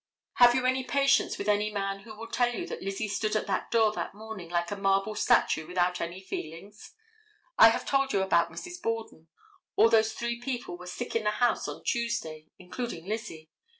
Have you any patience with any man who will tell you that Lizzie stood at that door that morning like a marble statue, without any feeling? I have told you about Mrs. Borden. All those three people were sick in the house on Tuesday, including Lizzie.